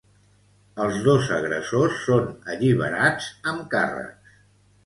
Els dos agressors són alliberats amb càrrecs.